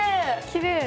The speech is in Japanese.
きれい！